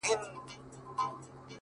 د سپینتمان د سردونو د یسنا لوري-